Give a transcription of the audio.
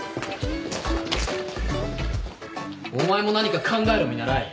お前も何か考えろ見習い。